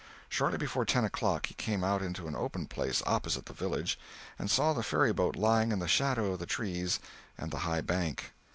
Shortly before ten o'clock he came out into an open place opposite the village, and saw the ferryboat lying in the shadow of the trees and the high bank.